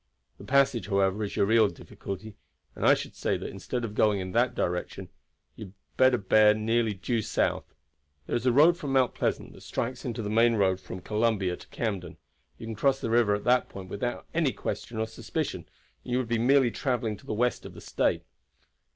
The passage, however, is your real difficulty, and I should say that instead of going in that direction you had better bear nearly due south. There is a road from Mount Pleasant that strikes into the main road from Columbia up to Camden. You can cross the river at that point without any question or suspicion, as you would be merely traveling to the west of the State.